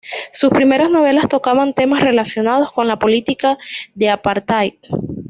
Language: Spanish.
Sus primeras novelas tocaban temas relacionados con la política de "apartheid".